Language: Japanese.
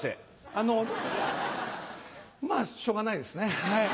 あのまぁしょうがないですね。